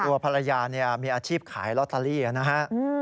ตัวภรรยาเนี่ยมีอาชีพขายรอตเตอรี่อะนะฮะ